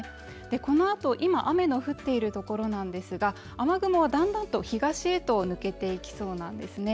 このあと、今、雨の降っているところなんですが、雨雲はだんだんと東へと抜けていきそうなんですね。